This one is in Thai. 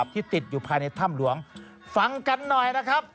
ที่ติดอยู่ภายในถ้ำหลวงฟังกันหน่อยนะครับ